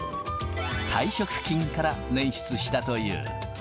退職金から捻出したという。